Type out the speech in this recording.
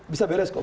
bisa beres kok